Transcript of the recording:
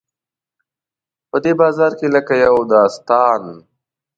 په دې بازار کې لکه د یو داستان.